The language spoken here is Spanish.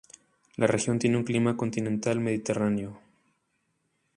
La región tiene un clima continental mediterráneo.